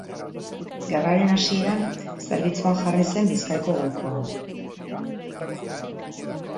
Gerraren hasieran zerbitzuan jarri zen Bizkaiko golkoan.